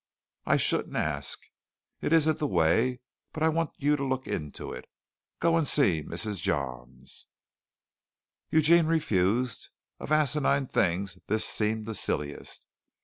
I shouldn't ask. It isn't the way, but I want you to look into it. Go and see Mrs. Johns." Eugene refused. Of asinine things this seemed the silliest.